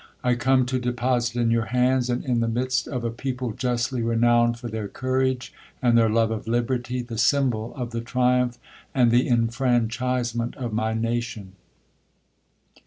I come to deposit in your hands, and in the midst of a people justly renowned for their courage, and their love of liberty, the symbol of the triumph and the enfranchisement of my nation.